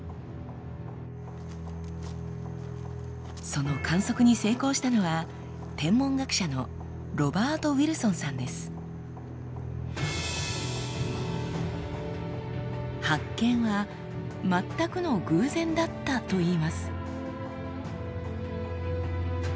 その観測に成功したのは発見は全くの偶然だったといいます。